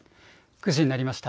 ９時になりました。